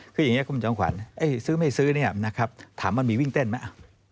คืออย่างนี้คุณจังขวัญซื้อไม่ซื้อถามมันมีวิ่งเต้นไหม